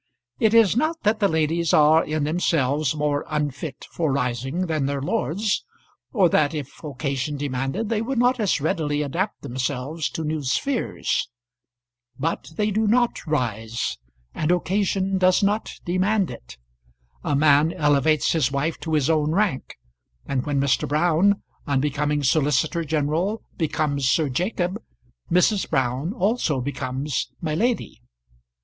It is not that the ladies are in themselves more unfit for rising than their lords, or that if occasion demanded they would not as readily adapt themselves to new spheres. But they do not rise, and occasion does not demand it. A man elevates his wife to his own rank, and when Mr. Brown, on becoming solicitor general, becomes Sir Jacob, Mrs. Brown also becomes my lady.